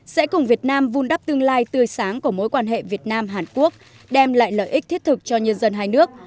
sẽ cùng việt nam vun đắp tương lai tươi sáng của mối quan hệ việt nam hàn quốc đem lại lợi ích thiết thực cho nhân dân hai nước